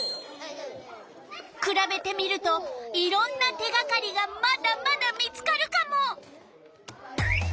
くらべてみるといろんな手がかりがまだまだ見つかるカモ！